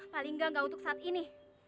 paling nggak untuk saat ini